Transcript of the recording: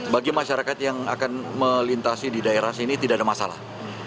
bagi masyarakat yang akan melintasi di daerah sini tidak ada masalah